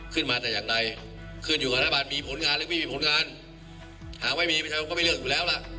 การเป็นรัฐบาลไม่น่าจะทำให้เกิดความได้เปรียบเสียเปรียบ